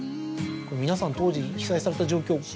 皆さん当時被災された状況